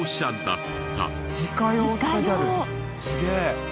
すげえ。